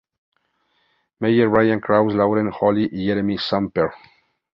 Meyer, Brian Krause, Lauren Holly y Jeremy Sumpter.